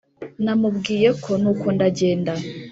namubwiye ko nuko ndagenda.